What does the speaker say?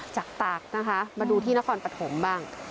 ตากนะคะมาดูที่นครปฐมบ้าง